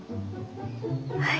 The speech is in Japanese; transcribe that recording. はい。